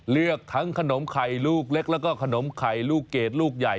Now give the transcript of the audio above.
เลือกทั้งขนมไข่ลูกเล็กแล้วก็ขนมไข่ลูกเกดลูกใหญ่